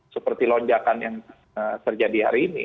seperti lonjakan yang terjadi hari ini